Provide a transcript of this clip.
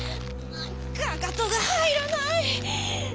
かかとがはいらない。